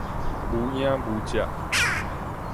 無影無隻